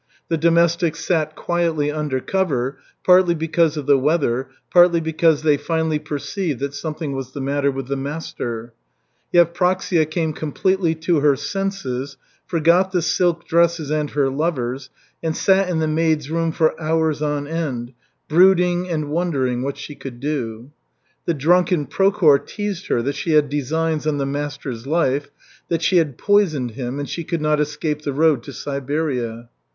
The domestics sat quietly under cover, partly because of the weather, partly because they finally perceived that something was the matter with the master. Yevpraksia came completely to her senses, forgot the silk dresses and her lovers, and sat in the maids' room for hours on end, brooding and wondering what she could do. The drunken Prokhor teased her that she had designs on the master's life, that she had poisoned him and she could not escape the road to Siberia.